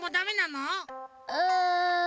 うん。